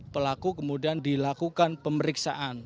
pelaku kemudian dilakukan pemeriksaan